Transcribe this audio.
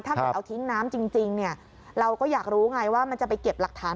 ถ้ามาเอาทิ้นน้ำจริงเราก็อยากรู้ว่ามันจะไปเก็บหลักฐาน